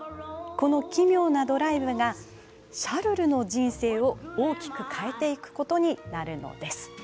この奇妙なドライブがシャルルの人生を大きく変えていくことになるのです。